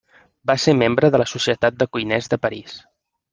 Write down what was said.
Va ser membre de la Societat de Cuiners de París.